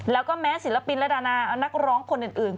แล้วก็แม้ศิลปินและดานานักร้องคนอื่น